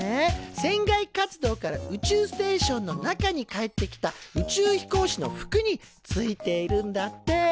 船外活動から宇宙ステーションの中に帰ってきた宇宙飛行士の服についているんだって。